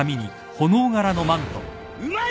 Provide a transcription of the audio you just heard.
うまい！